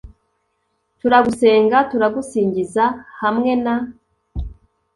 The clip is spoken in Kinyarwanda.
turagusenga turagusingiza. hamwe na